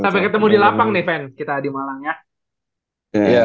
sampai ketemu di lapang nih fan kita di malang ya